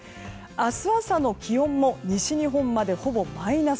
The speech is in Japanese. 明日朝の気温も西日本まで、ほぼマイナス。